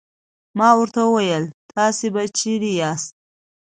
ما ورته وویل: تاسې به چیرې یاست؟